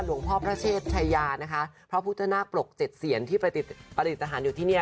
หลวงพ่อพระเชษยานะคะเพราะพุทธนาคปรกเจ็ดเซียนที่ประติดประติศาลอยู่ที่เนี่ย